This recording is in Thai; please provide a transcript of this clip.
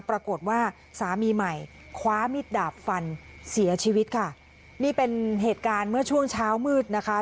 ปรากฏว่าสามีใหม่คว้ามิดดาบฟันเสียชีวิตค่ะนี่เป็นเหตุการณ์เมื่อช่วงเช้ามืดนะคะ